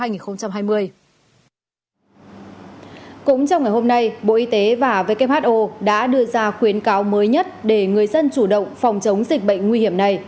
cũng trong ngày hôm nay bộ y tế và who đã đưa ra khuyến cáo mới nhất để người dân chủ động phòng chống dịch bệnh nguy hiểm này